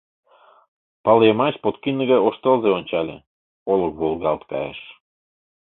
Пыл йымач подкинде гай ош тылзе ончале, олык волгалт кайыш.